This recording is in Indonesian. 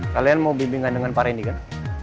kalian mau bimbingan dengan para rendy kan